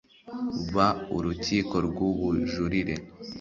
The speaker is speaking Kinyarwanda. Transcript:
b urukiko rw ubujurire